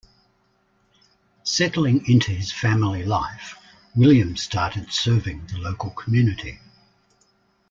Settling into his family life, William started serving the local community.